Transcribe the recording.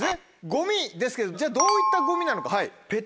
ゴミですけどじゃあどういったゴミなのか。